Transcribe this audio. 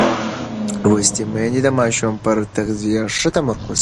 لوستې میندې د ماشوم پر تغذیه ښه تمرکز کوي.